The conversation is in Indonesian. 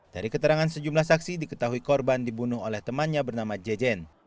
dari keterangan sejumlah saksi diketahui korban dibunuh oleh temannya bernama jejen